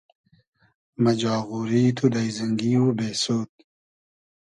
مۂ جاغوری تو داݷزینگی و بېسود